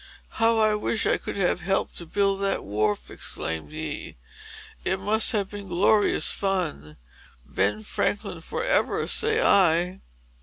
"How I wish that I could have helped to build that wharf!" exclaimed he. "It must have been glorious fun. Ben Franklin for ever, say I!"